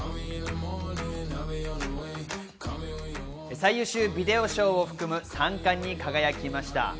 最優秀ビデオ賞を含む三冠に輝きました。